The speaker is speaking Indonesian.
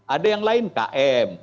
ada yang lain km